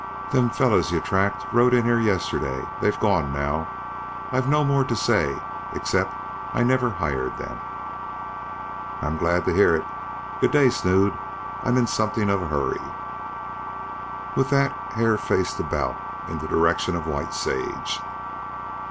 "Them fellers you tracked rode in here yesterday. They're gone now. I've no more to say, except I never hired them." "I'm glad to hear it. Good day, Snood, I'm in something of a hurry." With that Hare faced about in the direction of White Sage.